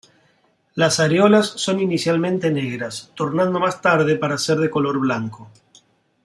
La areolas son inicialmente negras tornando más tarde para ser de color blanco.